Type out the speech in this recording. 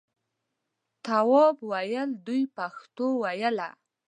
تواب وویل دوی پښتو ویله.